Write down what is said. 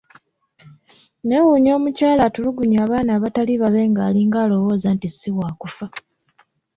Neewuunya omukyala atulugunya abaana abatali babe ng'alinga alowooza nti si waakufa.